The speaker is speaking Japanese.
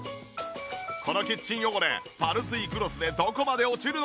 このキッチン汚れパルスイクロスでどこまで落ちるのか？